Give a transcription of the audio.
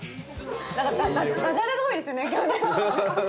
なんかダジャレが多いですね今日ね。